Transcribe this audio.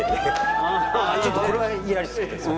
ちょっとこれはやりすぎです